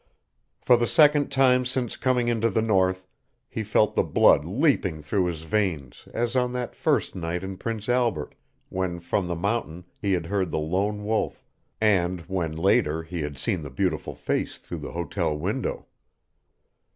For the second time since coming into the North he felt the blood leaping through his veins as on that first night in Prince Albert when from the mountain he had heard the lone wolf, and when later he had seen the beautiful face through the hotel window.